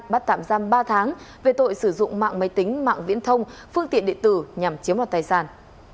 bắt tạm giam ba tháng về tội sử dụng mạng máy tính mạng viễn thông phương tiện địa tử nhằm chiếm đoạt tài sản